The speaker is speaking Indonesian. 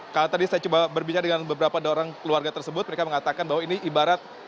kalau tadi saya coba berbincang dengan beberapa orang keluarga tersebut mereka mengatakan bahwa ini ibarat